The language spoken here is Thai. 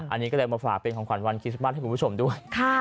อันนี้ก็เลยมาฝากเป็นของขวัญวันคริสต์มัสให้คุณผู้ชมด้วย